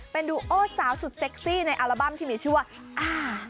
เป็นดูโอสาวสุดเซ็กซี่ในอัลบั้มที่มีชื่อว่าอ่า